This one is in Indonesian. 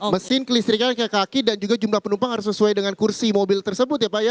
mesin kelistrikan ke kaki dan juga jumlah penumpang harus sesuai dengan kursi mobil tersebut ya pak ya